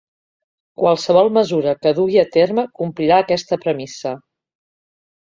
Qualsevol mesura que dugui a terme complirà aquesta premissa.